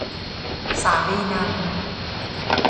สาลีนัง